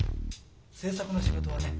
制作の仕事はね